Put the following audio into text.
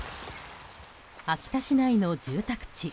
秋田市内の住宅地。